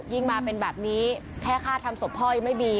ยิ่งมาเป็นแบบนี้แค่คาดทำศพพ่อย่างไม่ดี